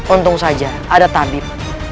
untung saja ada tabib